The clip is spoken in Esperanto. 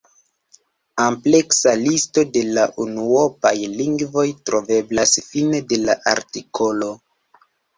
Ampleksa listo de la unuopaj lingvoj troveblas fine de la artikolo.